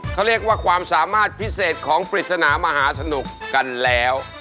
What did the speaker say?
เขาเรียกว่าความสามารถพิเศษของปริศนามหาสนุกกันแล้ว